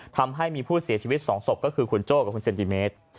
ทำให้มีผู้เสียชีวิต๒ศพก็คือคุณโจ้กับคุณเซนติเมตร